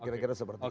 kira kira seperti itu